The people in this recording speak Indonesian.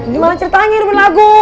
gimana ceritanya ini udah berlagu